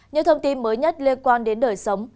những thông tin mới nhất liên quan đến đời sống